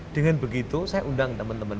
dengan begitu saya undang teman teman